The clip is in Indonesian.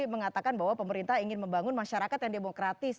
mengatakan bahwa pemerintah ingin membangun masyarakat yang demokratis